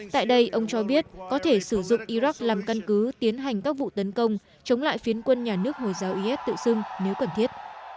tại đây ông cho biết có thể sử dụng iraq làm căn cứ tiến hành các vụ tấn công chống lại phiến quân nhà nước hồi giáo is tự xưng nếu cần thiết